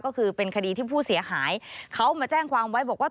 ก็คือเป็นคดีที่ผู้เสียหายเขามาแจ้งความไว้บอกว่า